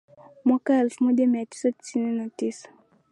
mwaka elfu moja mia tisa tisini na tisa